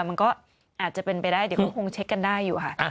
มันก็อาจจะเป็นไปได้เดี๋ยวก็คงเช็คกันได้อยู่ค่ะ